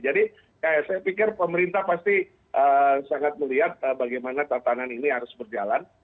jadi saya pikir pemerintah pasti sangat melihat bagaimana tantangan ini harus berjalan